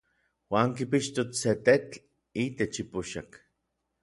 Juan kipixtok se tetl itech ipoxak.